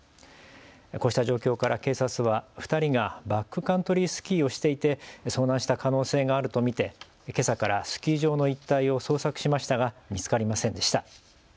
こうした状況から警察は２人がバックカントリースキーをしていて遭難した可能性があると見てけさからスキー場の一帯を捜索しましたが見つかりませんでした。